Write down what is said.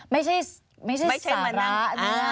ไม่ใช่สาระเนี่ย